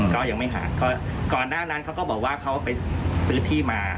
ก็ยังไม่หาก็ก่อนหน้านั้นเขาก็บอกว่าเขาไปซื้อที่มา